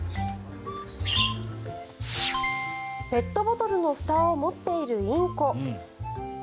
ペットボトルのふたを持っているインコ。